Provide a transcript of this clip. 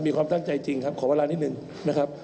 มีความตั้งใจจริงครับขอเวลานิดหนึ่งนะครับ